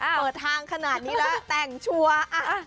เปิดทางขนาดนี้แล้วแต่งชัวร์